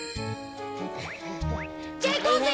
じゃあいこうぜ。